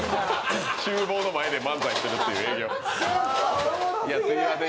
ちゅう房の前で漫才してるっていう営業。